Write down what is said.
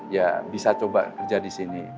ya bisa coba kerja di sini